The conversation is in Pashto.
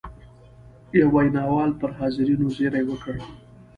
یوه ویناوال پر حاضرینو زېری وکړ.